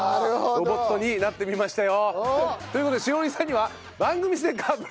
ロボットになってみましたよ。という事で詩織さんには。